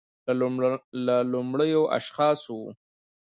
له لومړیو اشخاصو و